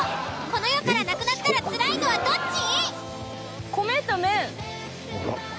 この世からなくなったらつらいのはどっち？